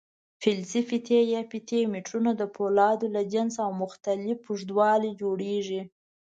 فلزي پټۍ یا فیتې میټرونه د فولادو له جنسه او مختلف اوږدوالي جوړېږي.